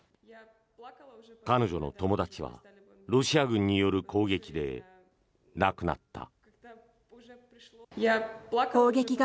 彼女の友達はロシア軍による攻撃で亡くなった。